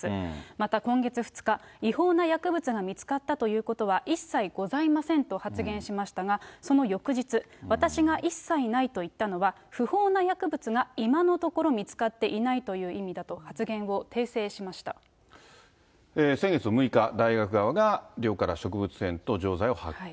また今月２日、違法な薬物が見つかったということは一切ございませんと発言しましたが、その翌日、私が一切ないと言ったのは、不法な薬物が今のところ見つかっていないという意味だと、発言を先月６日、大学側が寮から植物片と錠剤を発見。